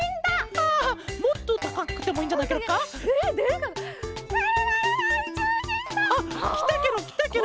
あっきたケロきたケロ！